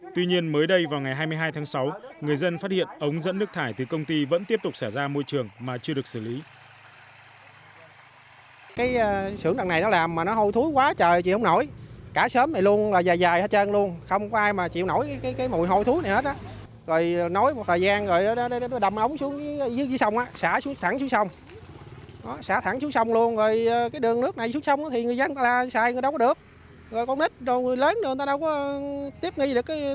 tuy nhiên mới đây vào ngày hai mươi hai tháng sáu người dân phát hiện ống dẫn nước thải từ công ty vẫn tiếp tục xả ra môi trường mà chưa được xử lý